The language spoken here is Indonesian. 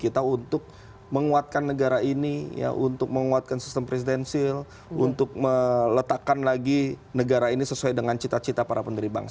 jadi kita minta untuk menguatkan negara ini ya untuk menguatkan sistem presidensil untuk meletakkan lagi negara ini sesuai dengan cita cita para penderi bangsa